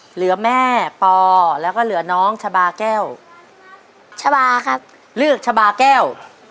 เหลือแม่ปอแล้วก็เหลือน้องชะบาแก้วชะบาครับเลือกชะบาแก้ว